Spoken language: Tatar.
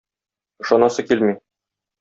Ышанасы килми.